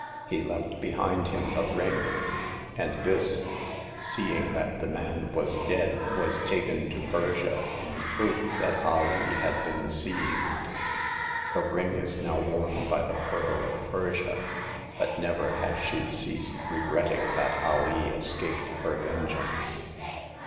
He left behind him the ring ; and this, seeing that the man was dead, was taken to Persia, in proof that Alee had been seized. The ring is now worn by the Pearl of Persia; but never has she ceased regretting that Alee escaped her vengeance."